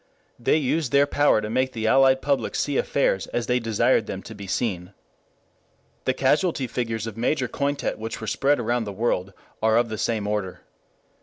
They used their power to make the Allied publics see affairs as they desired them to be seen. The casualty figures of Major Cointet which were spread about the world are of the same order.